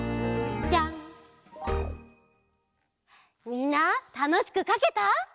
みんなたのしくかけた？